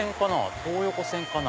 東横線かな？